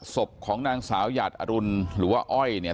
ศพของนางสาวหยาดอรุณหรือว่าอ้อยเนี่ย